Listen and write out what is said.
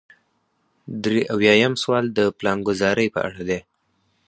درې اویایم سوال د پلانګذارۍ په اړه دی.